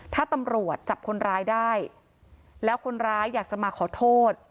ถ้าตำรวจจับคนร้ายได้แล้วคนร้ายอยากจะมาขอโทษ